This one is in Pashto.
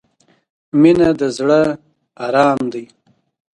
• مینه د زړۀ ارام دی.